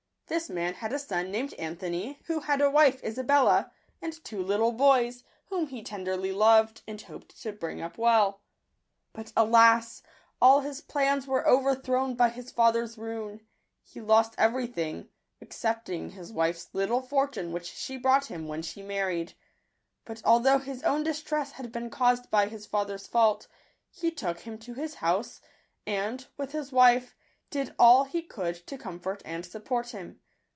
This man had a son named Anthony, who had a wife, Isabella, and two little boys, whom he tenderly loved, and hoped to bring up well. But, alas! all his plans were overthrown by his father's ruin. He lost every thing, excepting his wife's little fortune which she brought him when she married. But although his own distress had been caused by his father's fault, he took him to his house, and, with his wife, did all he could to comfort and support him.